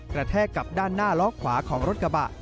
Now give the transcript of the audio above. แทกกับด้านหน้าล้อขวาของรถกระบะ